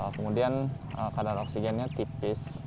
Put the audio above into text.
kemudian kadar oksigennya tipis